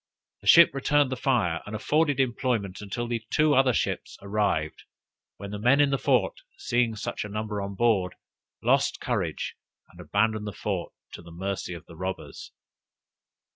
The ship returned the fire, and afforded employment until the other two ships arrived, when the men in the fort seeing such a number on board, lost courage, and abandoned the fort to the mercy of the robbers.